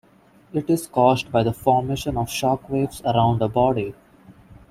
It is caused by the formation of shock waves around a body.